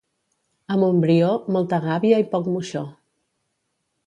A Montbrió, molta gàbia i poc moixó.